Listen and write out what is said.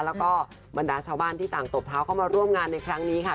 แล้วก็บรรดาชาวบ้านที่ต่างตบเท้าเข้ามาร่วมงานในครั้งนี้ค่ะ